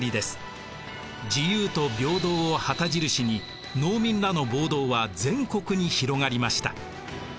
自由と平等を旗印に農民らの暴動は全国に広がりました。